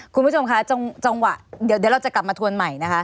คุณผู้ชมคะจังหวะเดี๋ยวเราจะกลับมาทวนใหม่นะคะ